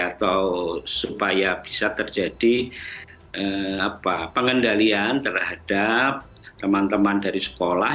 atau supaya bisa terjadi pengendalian terhadap teman teman dari sekolah